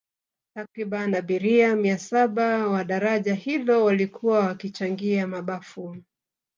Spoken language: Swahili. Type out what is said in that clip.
Takribani abiria mia saba wa daraja hilo walikuwa wakichangia mabafu